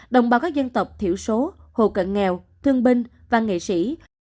đồng bào các dân tộc thiểu số hộ cận nghèo thương binh và nghệ sĩ